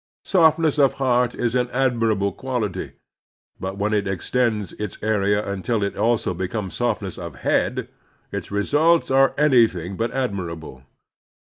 Softness of heart is an admirable quality, but when it extends its area until it also becomes softness of head, its results are anything but admirable.